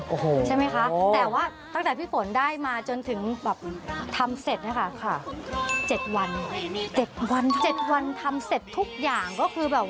โอ้โฮ